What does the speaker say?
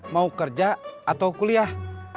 mau kerja atau kuliah